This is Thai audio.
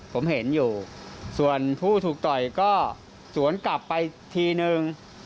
ผมเห็นอยู่ส่วนผู้ถูกต่อยก็สวนกลับไปทีนึง